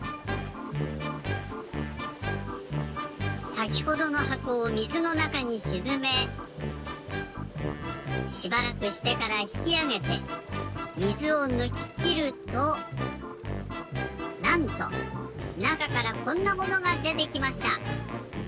さきほどのはこをみずのなかにしずめしばらくしてからひきあげてみずをぬききるとなんとなかからこんなものがでてきました！